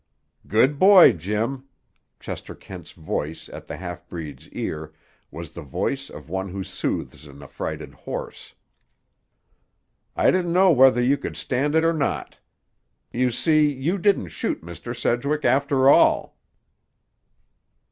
"Good boy, Jim!" Chester Kent's voice, at the half breed's ear, was the voice of one who soothes an affrighted horse. "I didn't know whether you could stand it or not. You see, you didn't shoot Mr. Sedgwick, after all."